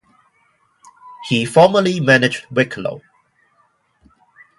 He formerly managed Wicklow.